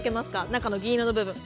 中の銀色の部分。